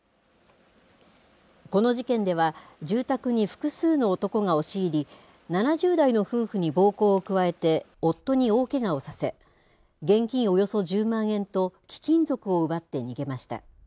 この事件では、住宅に複数の男が押し入り、７０代の夫婦に暴行を加えて夫に大けがをさせ、現金およそ１０万円と貴金属を奪って逃げました。